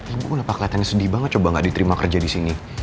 ibu kenapa kelihatannya sedih banget coba gak diterima kerja di sini